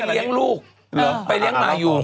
เลี้ยงลูกไปเลี้ยงหมาอยู่